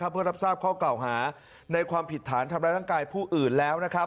เพื่อรับทราบข้อกล่าวหาในความผิดฐานทำร้ายร่างกายผู้อื่นแล้ว